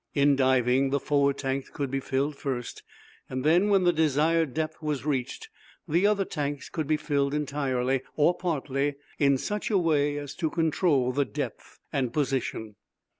In diving, the forward tanks could be filled first, and then, when the desired depth was reached, the other tanks could be filled entirely, or partly, in such a way as to control depth and position.